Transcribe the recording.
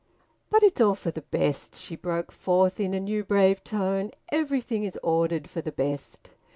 "But it's all for the best!" she broke forth in a new brave tone. "Everything is ordered for the best.